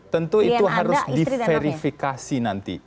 tentu itu harus diverifikasi nanti